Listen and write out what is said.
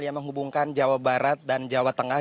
yang menghubungkan jawa barat dan jawa tengah